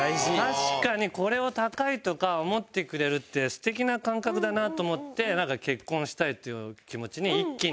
確かにこれを高いとか思ってくれるって素敵な感覚だなと思って結婚したいっていう気持ちに一気に。